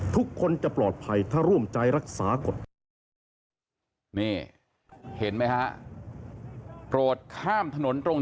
ทุกคนจะปลอดภัยถ้าร่วมใจรักษากฎหมาย